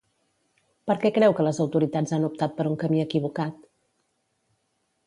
Per què creu que les autoritats han optat per un camí equivocat?